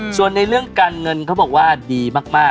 ส่วนในเรื่องการเงินเขาบอกว่าดีมาก